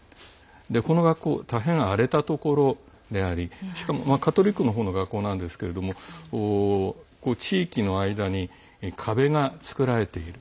この学校大変、荒れたところでありしかもカトリックのほうの学校なんですけれども地域の間に壁が作られている。